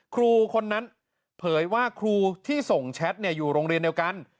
ครูคนนั้นเผยว่าครูที่ส่งแชทอยู่โรงเรียนเดียวกัน